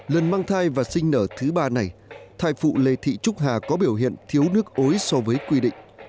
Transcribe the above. lần mang thai và sinh nở thứ ba này thai phụ lê thị trúc hà có biểu hiện thiếu nước ối so với quy định